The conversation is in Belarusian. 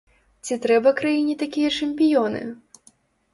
Ці трэба краіне такія чэмпіёны?